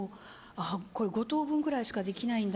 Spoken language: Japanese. これ、５等分ぐらいしかできないんだ。